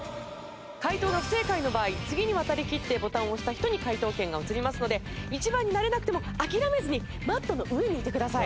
解答が不正解の場合次に渡りきってボタンを押した人に解答権が移りますので１番になれなくても諦めずにマットの上にいてください。